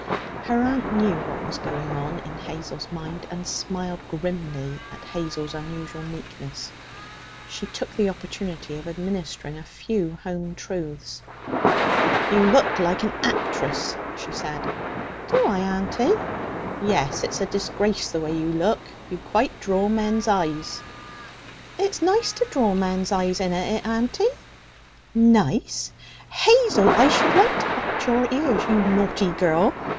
Her aunt knew what was going on in Hazel's mind, and smiled grimly at Hazel's unusual meekness. She took the opportunity of administering a few hometruths. 'You look like an actress,' she said. 'Do I, auntie?' 'Yes. It's a disgrace, the way you look. You quite draw men's eyes.' 'It's nice to draw men's eyes, inna it, auntie?' 'Nice! Hazel, I should like to box your ears! You naughty girl!